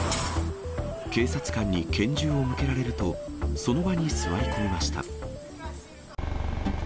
警察官に拳銃を向けられると、その場に座り込みました。